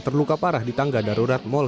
terluka parah di tangga darurat mall